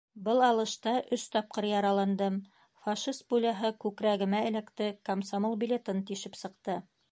Был алышта өс тапҡыр яраландым: фашист пуляһы күкрәгемә эләкте, комсомол билетын тишеп сыҡты...